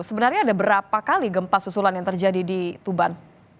sebenarnya ada berapa kali gempa susulan yang terjadi di tuban